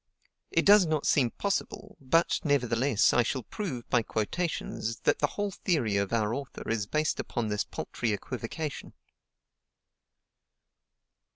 It does not seem possible, but, nevertheless, I shall prove, by quotations, that the whole theory of our author is based upon this paltry equivocation.